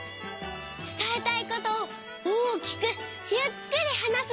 つたえたいことを大きくゆっくりはなす。